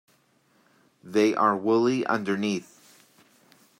They are woolly underneath.